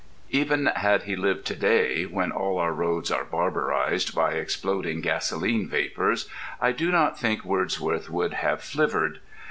Even had he lived to day, when all our roads are barbarized by exploding gasoline vapours, I do not think Wordsworth would have flivvered.